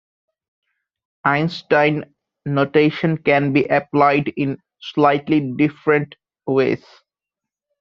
Einstein notation can be applied in slightly different ways.